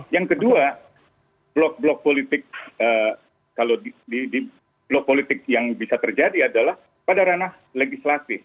yang kedua blok blok politik yang bisa terjadi adalah pada ranah legislatif